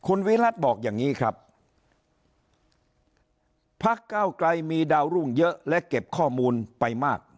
คุณวิรัติบอกอย่างนี้ครับพักเก้าไกลมีดาวรุ่งเยอะและเก็บข้อมูลไปมาก